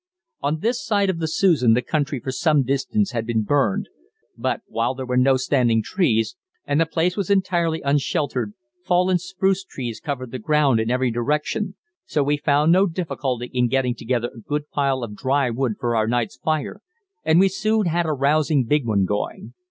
On this side of the Susan the country for some distance had been burned; but, while there were no standing trees, and the place was entirely unsheltered, fallen spruce trees covered the ground in every direction, so we found no difficulty in getting together a good pile of dry wood for our night's fire, and we soon had a rousing big one going.